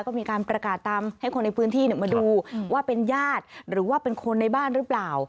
ก็มีการประกาศตามให้คนในพื้นที่มาดูว่าเป็นญาติหรือว่าเป็นคนในบ้านหรือเปล่า